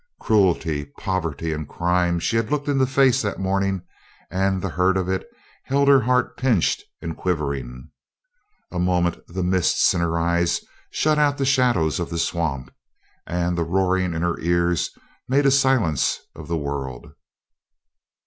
Cruelty, poverty, and crime she had looked in the face that morning, and the hurt of it held her heart pinched and quivering. A moment the mists in her eyes shut out the shadows of the swamp, and the roaring in her ears made a silence of the world.